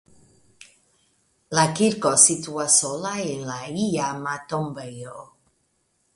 La kirko situas sola en la iama tombejo.